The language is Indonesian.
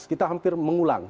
kita hampir mengulang